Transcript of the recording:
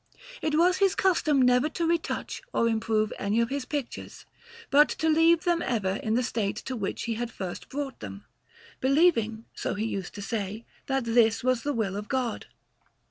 It was his custom never to retouch or improve any of his pictures, but to leave them ever in the state to which he had first brought them; believing, so he used to say, that this was the will of God.